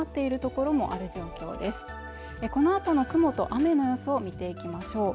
このあとの雲と雨の予想見ていきましょう